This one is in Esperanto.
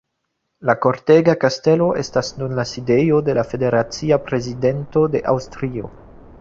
La Kortega Kastelo estas nun la sidejo de la federacia prezidento de Aŭstrio.